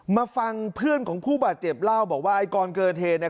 มาฟังเพื่อนของผู้บาดเจ็บเล่าบอกว่าไอ้ก่อนเกิดเหตุเนี่ย